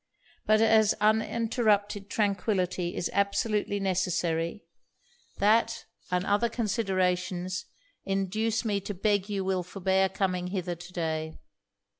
But as uninterrupted tranquillity is absolutely necessary, that, and other considerations, induce me to beg you will forbear coming hither to day.